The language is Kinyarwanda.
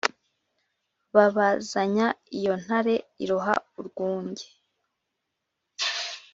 Babazanya iyo ntare iroha urwunge